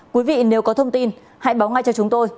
quý vị nếu có thông tin hãy báo ngay cho chúng tôi